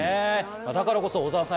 だからこそ小澤さん